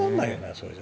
それじゃ。